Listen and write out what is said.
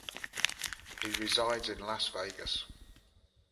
He resides in Las Vegas.